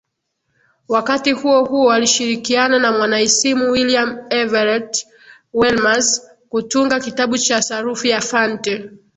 Wakati huohuo alishirikiana na mwanaisimu William Everett Welmers kutunga kitabu cha sarufi ya Fante